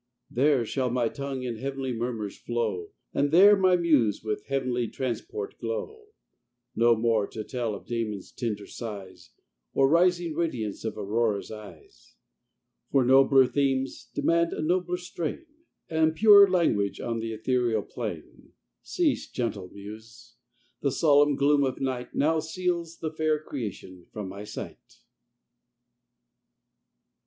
There shall thy tongue in heav'nly murmurs flow, And there my muse with heav'nly transport glow: No more to tell of Damon's tender sighs, Or rising radiance of Aurora's eyes, For nobler themes demand a nobler strain, And purer language on th' ethereal plain. Cease, gentle muse! the solemn gloom of night Now seals the fair creation from my sight.